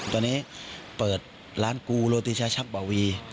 ตอนนี้เปิดร้านกูโรติชาชักบ่อวี